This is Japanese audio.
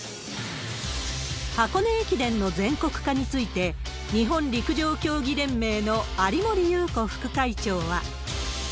箱根駅伝の全国化について、日本陸上競技連盟の有森裕子副会長は。